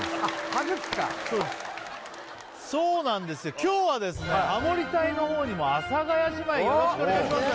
歯茎かそうなんですよ今日はですねハモリ隊の方にも阿佐ヶ谷姉妹よろしくお願いします